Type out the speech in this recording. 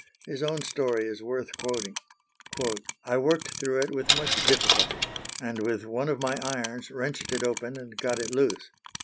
His own story is worth quoting. "I worked through it with much difficulty, and with one of my irons wrenched it open and got it loose.